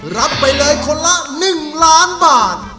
รับไปเลยคนละ๑ล้านบาท